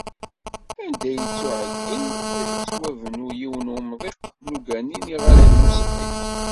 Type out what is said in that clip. Anda yettuεeyyn ad d-yettwabnu yiwen umḍiq n ugani n yiɣallen n usellek.